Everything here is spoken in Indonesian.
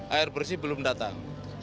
air bersih belum datang